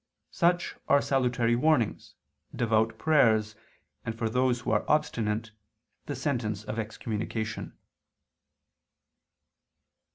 Such are salutary warnings, devout prayers, and, for those who are obstinate, the sentence of excommunication.